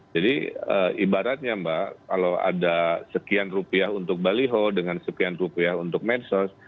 jadi ibaratnya mbak kalau ada sekian rupiah untuk baliho dengan sekian rupiah untuk medsos